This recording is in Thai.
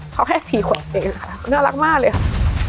เขาแค่๔ขวบเองค่ะน่ารักมากเลยค่ะ